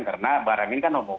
karena barang ini kan homogenik